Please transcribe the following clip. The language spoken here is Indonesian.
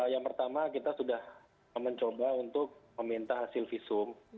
yang pertama kita sudah mencoba untuk meminta hasil visum